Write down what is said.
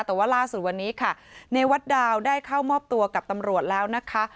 แต่ว่าล่าสุดวันนี้ค่ะในวัดดาวได้เข้ามอบตัวกับตำรวจแล้วนะคะ